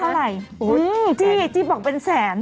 เกี่ยวเกี่ยวบอกว่าเป็นแสน